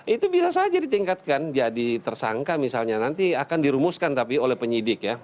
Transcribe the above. itu bisa saja ditingkatkan jadi tersangka misalnya nanti akan dirumuskan tapi oleh penyidik ya